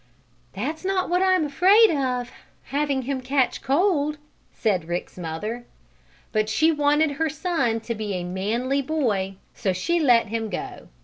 "That's what I'm afraid of having him catch cold!" said Rick's mother. But she wanted her son to be a manly boy, so she let him go.